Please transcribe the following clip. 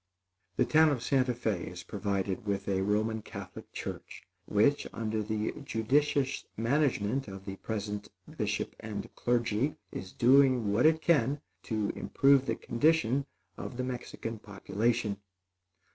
The town of Santa Fé is provided with a Roman Catholic church, which, under the judicious management of the present bishop and clergy, is doing what it can to improve the condition of the Mexican population.